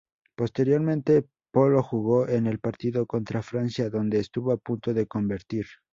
Posteriormente, Polo jugó en el partido contra Francia donde estuvo a punto de convertir.